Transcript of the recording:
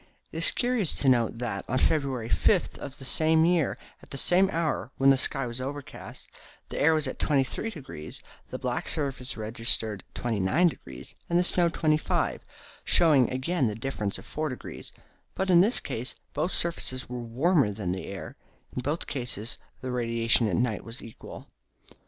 It is curious to note that, on February 5 of the same year, at the same hour, when the sky was overcast, the air was at 23°, the black surface registered 29°, and the snow 25°, showing again the difference of 4°; but, in this case, both surfaces were warmer than the air. In both cases the radiation at night was equal.